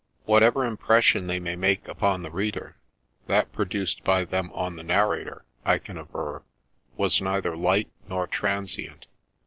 Whatever impression they may make upon the Reader, that produced by them on the narrator, I can aver, was neither light nor transient.